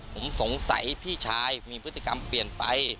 ผมสงสัยพี่ชายมีพฤติกรรมเปลี่ยนไป